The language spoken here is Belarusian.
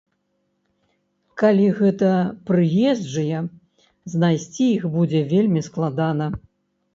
Калі гэта прыезджыя, знайсці іх будзе вельмі складана.